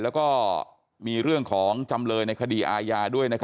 แล้วก็มีเรื่องของจำเลยในคดีอาญาด้วย